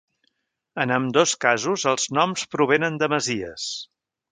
En ambdós casos els noms provenen de masies.